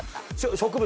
植物？